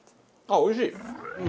あっおいしい。